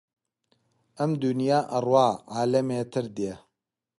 ئەم دونیا ئەڕوا عالەمێتر دێ